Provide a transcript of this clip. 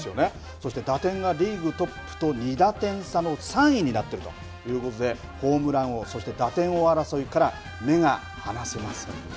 そして打点がリーグトップと２打点差の３位になっているということでホームラン王、打点王争いから目が離せません。